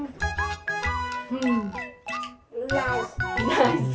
ナイス。